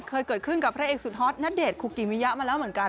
เคยเกิดขึ้นกับพระเอกสุดฮอตณเดชนคุกิมิยะมาแล้วเหมือนกัน